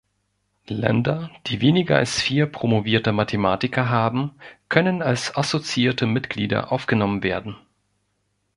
Länder, die weniger als vier promovierte Mathematiker haben, können als assoziierte Mitglieder aufgenommen werden.